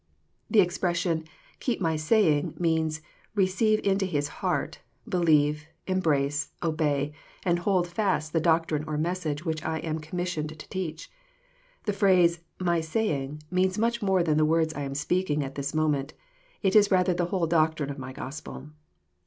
The expression " keep my saying," means " receive into his heart, believe, embrace, obey, and hold fast the doctrine or message which I am commissioned to teach." — The phrase " my saying," means much more than the " words I am speaking at this moment." It is rather the whole doctrine of My Gospel.